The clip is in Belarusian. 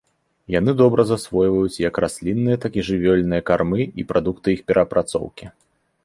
Яны добра засвойваюць як раслінныя, так і жывёльныя кармы і прадукты іх перапрацоўкі.